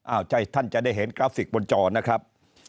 ท่านจะได้เห็นกราฟิกบนจอนะครับ